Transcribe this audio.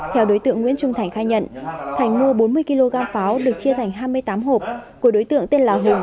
theo đối tượng nguyễn trung thành khai nhận thành mua bốn mươi kg pháo được chia thành hai mươi tám hộp của đối tượng tên là hùng